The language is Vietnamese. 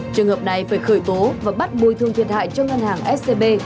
trường hợp này phải khởi tố và bắt bồi thương thiệt hại cho ngân hàng scb